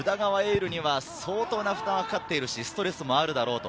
琉には相当の負担をかかってるし、ストレスもあるだろうと。